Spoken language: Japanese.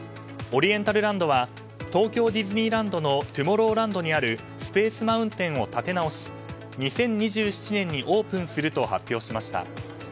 オリエンタルランドは東京ディズニーランドのトゥモローランドにあるスペース・マウンテンを建て直し、２０２７年にオープンすると発表しました。